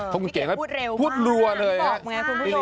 เพราะเป็นเก๊น่อยพูดเฉลิมมาก